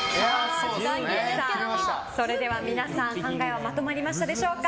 皆さん考えまとまりましたでしょうか。